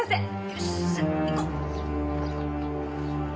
よしさあ行こう！